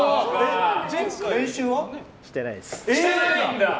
してないです。